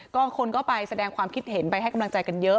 ก็คนก็ไปแสดงความคิดเห็นไปให้กำลังใจกันเยอะ